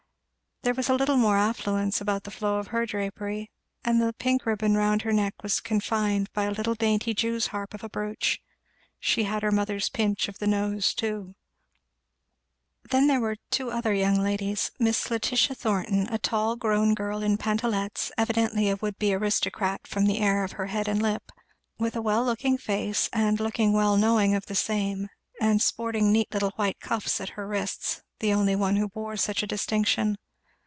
There was a little more affluence about the flow of her drapery, and the pink ribbon round her neck was confined by a little dainty Jew's harp of a brooch; she had her mother's pinch of the nose too. Then there were two other young ladies; Miss Letitia Ann Thornton, a tall grown girl in pantalettes, evidently a would be aristocrat from the air of her head and lip, with a well looking face and looking well knowing of the same, and sporting neat little white cuffs at her wrists, the only one who bore such a distinction.